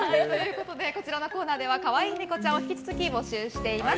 このコーナーでは可愛いネコちゃんを引き続き募集しています。